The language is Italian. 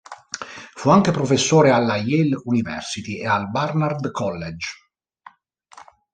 Fu anche professore alla Yale University e al Barnard College.